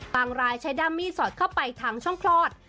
รายใช้ด้ามมีดสอดเข้าไปทางช่องคลอด